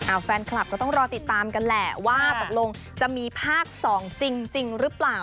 แฟนคลับก็ต้องรอติดตามกันแหละว่าตกลงจะมีภาคสองจริงจริงหรือเปล่า